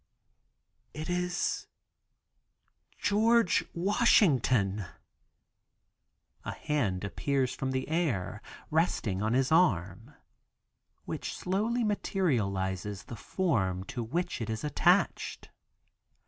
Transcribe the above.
"It is George Washington." A hand appears from the air, resting on his arm, which slowly materializes the form to which it is attached.